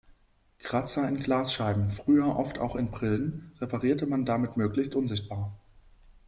Kratzer in Glasscheiben, früher oft auch in Brillen, reparierte man damit möglichst unsichtbar.